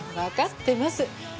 わかってます！